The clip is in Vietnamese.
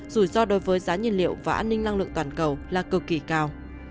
rủi ro đối với giá nhiên liệu và an ninh năng lượng toàn cầu là cực kỳ cao